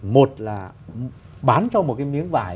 một là bán cho một cái miếng vải